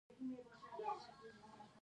پښتانه ډیري ژبي په اسانۍ زده کولای سي.